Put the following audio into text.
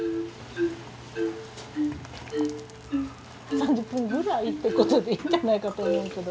３０分ぐらいって事でいいんじゃないかと思うけど。